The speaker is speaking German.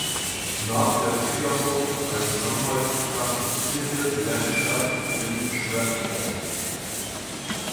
Nach der Zulassung als Anwalt praktizierte Blanchard in Shreveport.